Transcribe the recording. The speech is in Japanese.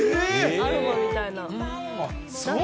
アロマみたいな。